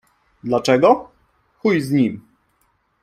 Dlaczego? Chuj z nim.